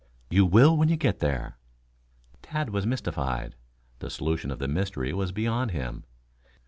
"You will when you get there." Tad was mystified. The solution of the mystery was beyond him.